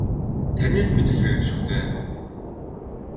Таны л мэдэх хэрэг шүү дээ.